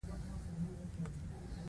آیا موږ یو ملت نه یو؟